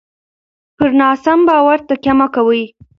پر ناسم باور تکیه مه کوئ.